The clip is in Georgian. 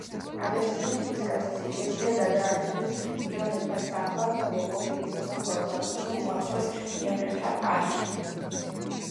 ალექსი ღვთისკაცის ეკლესია გადააკეთეს პიონერთა სახლად, ხოლო ყოფილი სასაფლაოს ადგილზე მოაწყვეს პიონერთა პარკი.